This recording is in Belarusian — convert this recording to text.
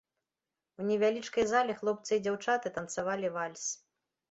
У невялічкай зале хлопцы і дзяўчаты танцавалі вальс.